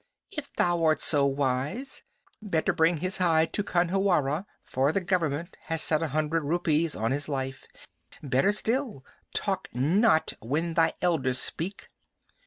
"If thou art so wise, better bring his hide to Khanhiwara, for the Government has set a hundred rupees on his life. Better still, talk not when thy elders speak."